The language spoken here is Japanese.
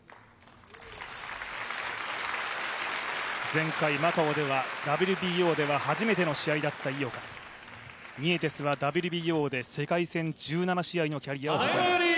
前回マカオではＷＢＯでは初めての試合だった井岡、ニエテスはＷＢＯで世界戦１７試合のキャリアです。